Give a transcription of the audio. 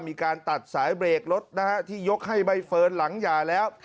มีการตัดสายเบรกรถนะฮะที่ยกให้ใบเฟิร์นหลังหย่าแล้ว